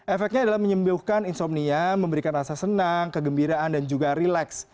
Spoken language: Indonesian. efeknya adalah menyembuhkan insomnia memberikan rasa senang kegembiraan dan juga relax